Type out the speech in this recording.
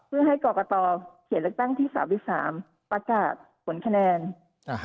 เพื่อให้กรกตรเขตเลือกตั้งที่สามที่สามประกาศผลคะแนนอ่าฮะ